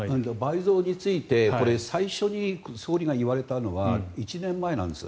倍増についてこれ、最初に総理が言われたのは１年前なんです。